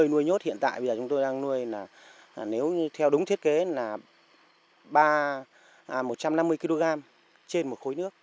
nuôi nhốt hiện tại bây giờ chúng tôi đang nuôi là nếu theo đúng thiết kế là một trăm năm mươi kg trên một khối nước